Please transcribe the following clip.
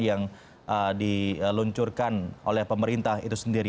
yang diluncurkan oleh pemerintah itu sendiri